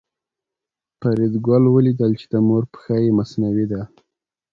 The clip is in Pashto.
فریدګل ولیدل چې د مور پښه یې مصنوعي ده